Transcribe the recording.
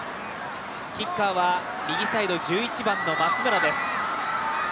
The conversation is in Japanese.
キッカーは右サイド、１１番の松村です。